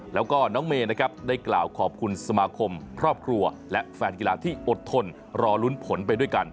แล้วก็น้องเมย์นะครับได้กล่าวขอบคุณสมาคมครอบครัวและแฟนกีฬาที่อดทนรอลุ้นผลไปด้วยกัน